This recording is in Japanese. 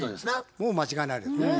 もう間違いないですね。